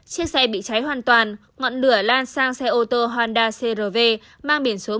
chiếc xe bị cháy hoàn toàn ngọn lửa lan sang xe ô tô honda cr v mang biển số một mươi năm a hai trăm ba mươi sáu xx